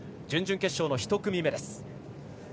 準々決勝の１組目です。